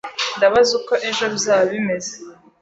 Ndabaza uko ejo bizaba bimeze.